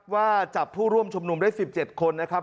ว่าจับผู้ร่วมชุมนุมได้๑๗คนนะครับ